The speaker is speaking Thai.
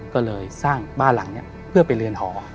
ก็เลยสร้างบ้านหลังนี้เพื่อไปเรียนหอ